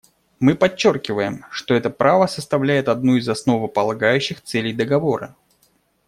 Мы подчеркиваем, что это право составляет одну из основополагающих целей Договора.